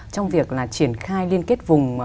trong việc là triển khai liên kết vùng